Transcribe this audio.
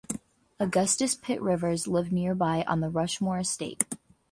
Augustus Pitt Rivers lived nearby on the Rushmore Estate.